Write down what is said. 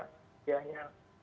berapa banyak hadiahnya